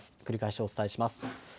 繰り返しお伝えします。